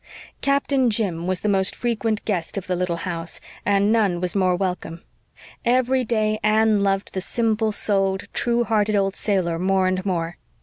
Captain Jim was the most frequent guest of the little house, and none was more welcome. Every day Anne loved the simple souled, true hearted old sailor more and more.